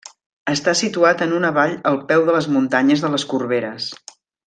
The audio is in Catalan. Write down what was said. Està situat en una vall al peu de les muntanyes de les Corberes.